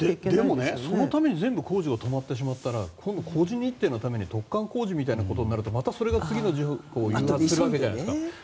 でも、そのために全部工事が止まってしまったら今度、工事日程のために突貫工事みたいになるとまたそれが次の事故を誘発するわけじゃないですか。